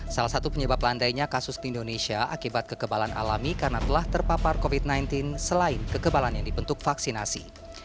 salah satu penyebab landainya kasus di indonesia akibat kekebalan alami karena telah terpapar covid sembilan belas selain kekebalan yang dibentuk vaksinasi